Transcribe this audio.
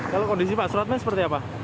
kalau kondisi pak suratnya seperti apa